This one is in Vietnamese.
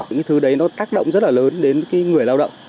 những thứ đấy nó tác động rất là lớn đến cái người lao động